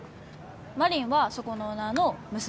真凛はそこのオーナーの娘